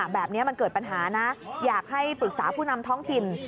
แบบนี้มันเกิดปัญหานะอยากให้ปรึกษาผู้นำท้องถิ่น